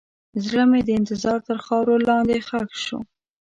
زړه مې د انتظار تر خاورو لاندې ښخ شو.